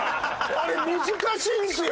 あれ難しいんですよ。